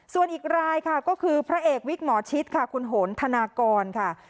ส่วนอีกรายค่ะก็คือพระเอกวิกหมอชิตค่ะคุณโหนธนากรค่ะ